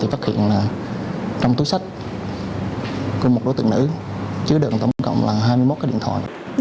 thì phát hiện trong túi sách của một đối tượng nữ chứa được tổng cộng hai mươi một cái điện thoại